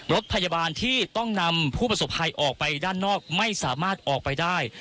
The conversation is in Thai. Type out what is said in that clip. รถพยาบาลที่ต้องนำผู้ประสบภัยออกไปด้านนอกไม่สามารถออกไปได้